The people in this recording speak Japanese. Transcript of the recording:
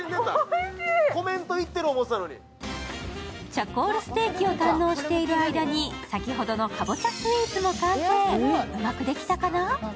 チャコールステーキを堪能している間に、先ほどのかぼちゃスイーツも完成、うまくできたかな？